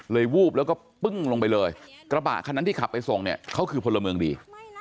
วูบแล้วก็ปึ้งลงไปเลยกระบะคันนั้นที่ขับไปส่งเนี่ยเขาคือพลเมืองดี